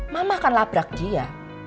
mama akan labrak dia